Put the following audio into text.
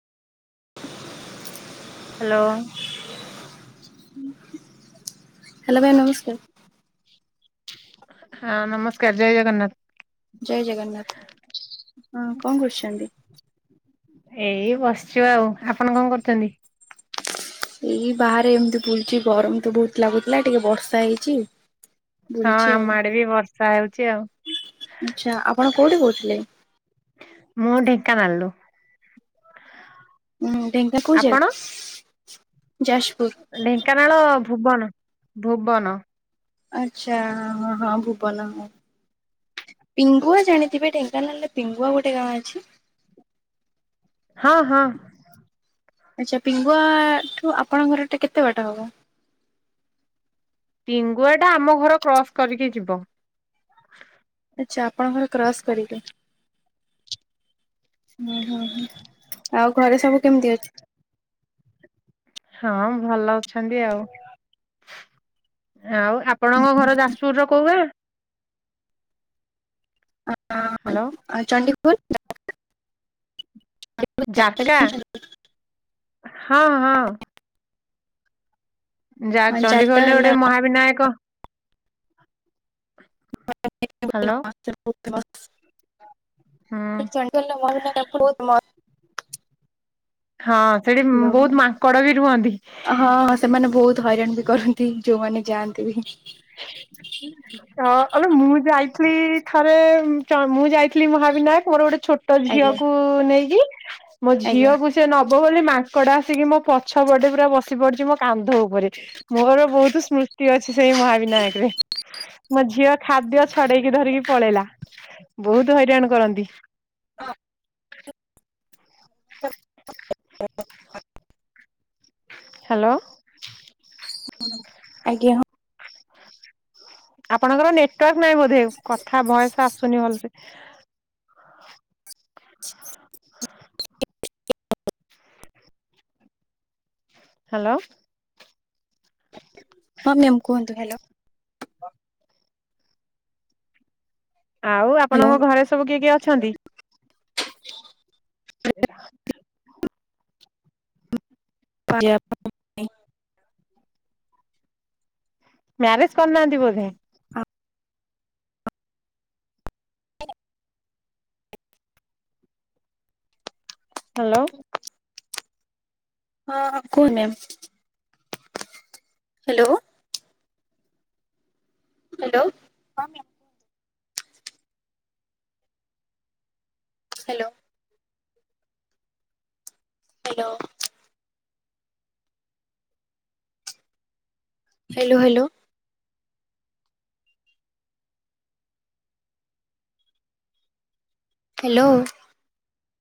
Hello? Hello ଭାଇ ନମସ୍କାର। ହ ହଁ ନମସ୍କାର ଜୟ ଜଗନ୍ନାଥ। ଜୟ ଜଗନ୍ନାଥ ହଁ ଉଁ-କଣ କରୁଛନ୍ତି? ଏଇ ବସଚୁ ଆଉ ଆପଣ କଣ କରୁଚନ୍ତି? ଏଇ ବାହାରେ ଏମିତି ବୁଲୁଚି ଗରମ ତ ବୋହୁତ ଲାଗୁଥୁଲା ଟିକେ ବର୍ଷା ହେଇଚି। ହଁ ଆମ ଆଡେ ବି ବର୍ଷା ହେଉଚି ଆଉ। ଆଛା ଆପଣ କୋଉଠି କହୁଥିଲେ? ମୁଁ ଢେଙ୍କାନାଳରୁ। ଉଁ ଢେଙ୍କା କୋଉ ଆପଣ? ଜାଗା? ଯାଜପୁର। ଢେଙ୍କାନାଳ ଭୁବନ ଭୁବନ। ଆଚ୍ଛା ହଁ ହଁ ଭୁବନ ଅଁ ପିଙ୍ଗୁଆ ଜାଣିଥିବେ ଢେଙ୍କାନାଳରେ ପିଙ୍ଗୁଆ ଗୋଟେ ଗାଁ ଅଛି? ହଁ ହଁ। ଆଚ୍ଛା ପିଙ୍ଗୁଆଠୁ ଆପଣଙ୍କ ଘରଟା କେତେ ବାଟ ହବ? ପିଙ୍ଗୁଆଟା ଆମ ଘର କ୍ରସ୍ କରିକି ଯିବ। ଆଛା ଆପଣଙ୍କ ଘର କ୍ରସ୍ କରିବେ। ହୁଁ ହୁଁ ହୁଁ ଆଉ ଘରେ ସବୁ କେମତି ଅଛ ହଁ ଭଲ ଅଛନ୍ତି ଆଉ। ଆଉ ଆପଣଙ୍କ ଘର ଯାଜପୁରର କୋଉ ଗାଁ? ଅଁ ହ୍ୟାଲୋ ଆ-ଚଣ୍ଡିଖୋଲ ଚଣ୍ଡି ଜାରକା ହଁ ହଁ। ଯା ଚଣ୍ଡୀଖୋଲ ଜାରକା ରେ ଗୋଟେ ମହାବିନାୟକ। [unintelligible] ହ୍ୟାଲୋ ସେଇ ଚଣ୍ଡୀଖୋଲ ରେ ମହାବିନାୟକ ହୁଁ ମନ୍ଦିର ବହୁତ ମାଙ୍କଡ଼। ହଁ ସେଠି ବହୁତ ମାଙ୍କଡ ବି ରୁହନ୍ତି। ହାଲୋ ହଁ ସେମାନେ ବହୁତ ହଇରାଣ ବି। କରନ୍ତି ଯୋଉମାନେ ଯାଆନ୍ତି ବି। ଅ ଆବେ ମୁଁ ଯାଇଥିଲି ଥରେ ଚ ମୁଁ ଯାଇି ଥିଲି ମହାବିନାୟକ ମୋର ଗୋଟେ ଛୋଟ ଆଜ୍ଞା ଝିଅକୁୁ ନେଇକି ମୋ ଆଜ୍ଞା ଝିଅକୁ ସେ ନ ନବ ବୋଲି ମାଙ୍କଡ ଆସିକି ମୋ ପଛ ପଟେ ପୁରା ବସି ପଡିଚି ମୋ କାନ୍ଧ ଉପରେ ମୋର ବହୁତ ସ୍ମୃ- ତି ଅଛି ସେଇ ମହାବିନାୟକ ରେ ମୋ ଝିଅ ଖାଦ୍ୟ ଛଡେଇକି ଧରିକି ପଳେଇଲା। ବହୁତ ହଇରାଣ କରନ୍ତି। [unintelligible] ହାଲୋ। ଆଜ୍ଞା ହଁ। ଆପଣଙ୍କର ନେଟୱାର୍କ ନାହିଁ ବୋଧେ କଥା ଭଏସ୍ ଆସୁନି ଭଲସେ। ହାଲୋ। ହଁ ମ୍ୟାମ୍ କୁହନ୍ତୁ ହ୍ୟାଲୋ। ଆଉ ହ୍ୟାଲୋ ଆପଣଙ୍କ ଘରେ ସବୁ କିଏ କିଏ ଅଛନ୍ତି? [inaudible] [unintelligible] [unintelligible] ମ୍ୟାରେଜ୍ କରିନାହାନ୍ତି ବୋଧେ? ହଁ ହାଲୋ। ହଁ କୁହ ମ୍ୟାମ ହାଲୋ। ହାଲୋ ହଁ ମ୍ୟାମ୍ କୁହନ୍ତୁ। Hello. Hello. Hello hello. Hello.